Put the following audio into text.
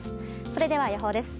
それでは予報です。